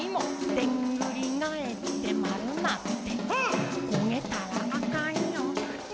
「でんぐりがえってまるなって」「こげたらあかんよがんばりやー」